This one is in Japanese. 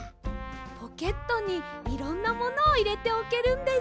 ポケットにいろんなものをいれておけるんです。